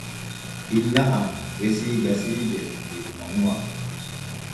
Inna am resi gasiije der manuwa.